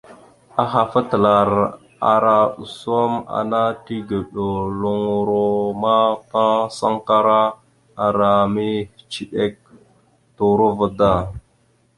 Ahaf atəlar ara osom ana tigeɗoloŋoro ma ta sankara ara mehəciɗek turova da.